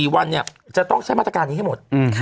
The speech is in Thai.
๔วันจะต้องใช้มาตรการนี้ให้หมด